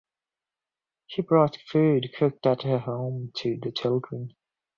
She brought food cooked at her home to the children.